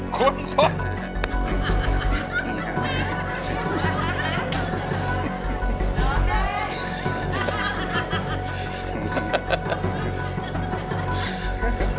คุณพล